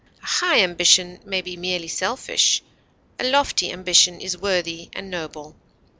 A high ambition may be merely selfish; a lofty ambition is worthy and noble.